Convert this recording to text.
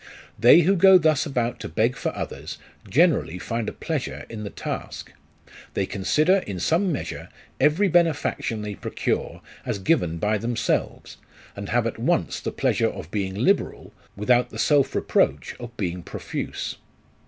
They who go thus about to beg for others, generally find a pleasure in the task. They consider, in some measure, every benefaction they procure, as given by themselves, and have at once the pleasure of being liberal, without the self reproach of being profuse.